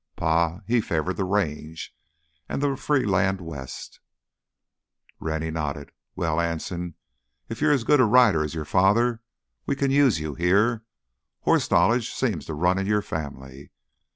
Pa, he favored th' range an' th' free land west—" Rennie nodded. "Well, Anson, if you're as good a rider as your father, we can use you here. Horse knowledge seems to run in your family.